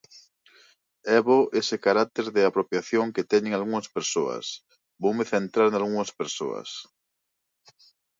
É bo este carácter de apropiación que teñen algunhas persoas; voume centrar nalgunhas persoas.